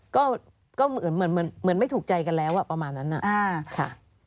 ก็เหมือนไม่ถูกใจกันแล้วประมาณนั้นค่ะ